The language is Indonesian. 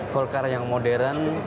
golkar yang modern